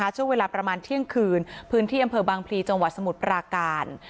ช่วงเวลาประมาณเที่ยงคืนพื้นที่อำเภอบางพลีจังหวัดสมุทรปราการ